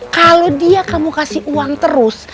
kalau dia kamu kasih uang terus